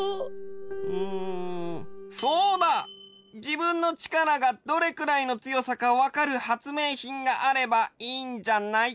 じぶんの力がどれくらいの強さかわかるはつめいひんがあればいいんじゃない？